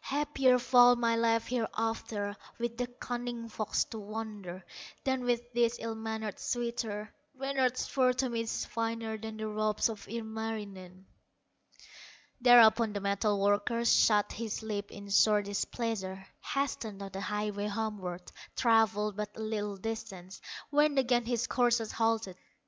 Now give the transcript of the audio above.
Happier far my life hereafter, With the cunning fox to wander, Than with this ill mannered suitor; Reynard's fur to me is finer Than the robes of Ilmarinen." Thereupon the metal worker Shut his lips in sore displeasure, Hastened on the highway homeward; Travelled but a little distance, When again his courser halted.